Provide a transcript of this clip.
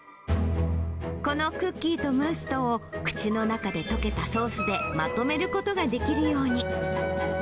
このクッキーとムースとを口の中で溶けたソースでまとめることができるように。